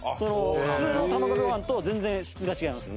普通の卵かけご飯と全然質が違います。